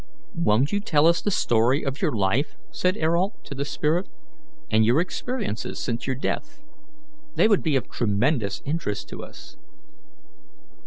"Won't you tell us the story of your life," said Ayrault to the spirit, "and your experiences since your death? They would be of tremendous interest to us."